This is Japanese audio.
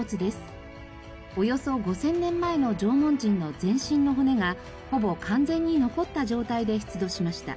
およそ５０００年前の縄文人の全身の骨がほぼ完全に残った状態で出土しました。